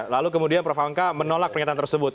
lalu kemudian prof ham kahak menolak pernyataan tersebut